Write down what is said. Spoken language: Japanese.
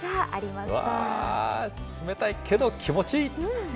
うわー、冷たいけど気持ちいい。